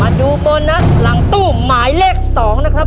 ดูโบนัสหลังตู้หมายเลข๒นะครับ